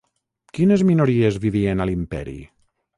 Quines minories vivien a l'Imperi?